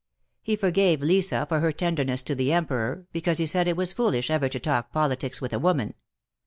He forgave Lisa for her tenderness to the Emperor, because he said it was foolish ever to talk poli tics with a woman.